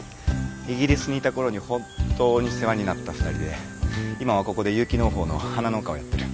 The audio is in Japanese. イギリスにいた頃に本当に世話になった２人で今はここで有機農法の花農家をやってる。